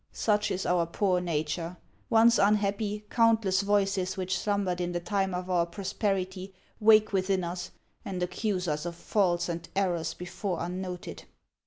Such is our poor nature ; once unhappy, countless voices which slumbered in the time of our prosperity wake within us and accuse us of faults and errors before unnoted."